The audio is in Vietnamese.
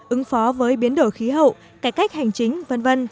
ứng phó với biến đổi khí hậu cải cách hành chính v v